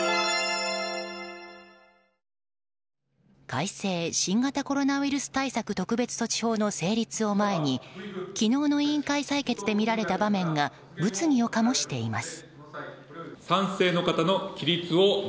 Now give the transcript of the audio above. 改正新型コロナウイルス対策特別措置法の成立を前に、昨日の委員会採決で見られた場面が物議を醸しています。